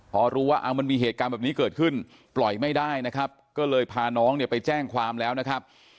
พอรู้ว่ามันมีเหตุการณ์แบบนี้เกิดขึ้นปล่อยไม่ได้นะครับก็เลยพาน้องเนี่ยไปแจ้งความแล้วนะครับ